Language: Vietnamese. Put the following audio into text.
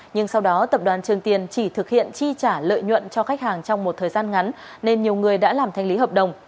nhưng sau đó tập đoàn trường tiền chỉ thực hiện chi trả lợi nhuận cho khách hàng trong một thời gian ngắn nên nhiều người đã làm thanh lý hợp đồng